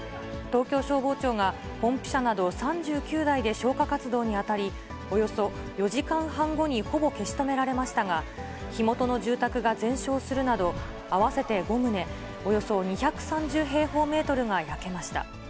東京消防庁がポンプ車など３９台で消火活動に当たり、およそ４時間半後にほぼ消し止められましたが、火元の住宅が全焼するなど、合わせて５棟、およそ２３０平方メートルが焼けました。